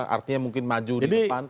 artinya mungkin maju di depan